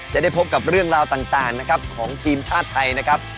จะได้พบกับเรื่องราวต่างนะครับของทีมชาติไทยนะครับ